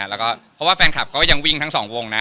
แล้วก็เพราะว่าแฟนคลับก็ยังวิ่งทั้งสองวงนะ